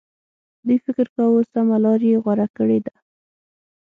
دوی فکر کاوه سمه لار یې غوره کړې ده.